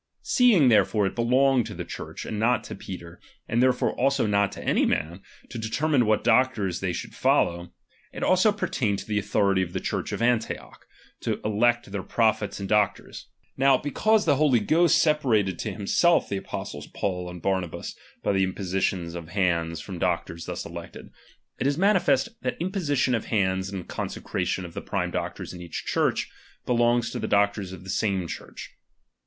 Seeing therefore it belonged to the Church, and not to Peter, and therefore also not to any man, to determine what doctors they should follow ; it also pertained to the authority of the Church of Antioch, to elect their prophets and doc tors. Now, because the Holy Ghost separated to himself the apostles Paul and Barnabas by the im position of hands from doctors thus elected, it is manifest, that imposition of hands and consecra tion of the prime doctors in each Church, belongs to the doctors of the same Church.